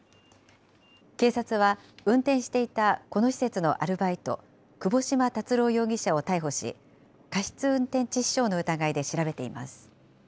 警察は、運転していたこの施設のアルバイト、窪島達郎容疑者を逮捕し、過失運転致死傷の疑いで調べています。